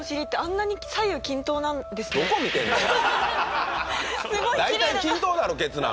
すごいきれいだな。